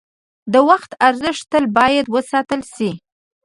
د وخت ارزښت تل باید وساتل شي.